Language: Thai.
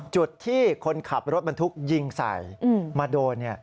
จุดที่คนขับรถบรรทุกยิงใส่มาโดน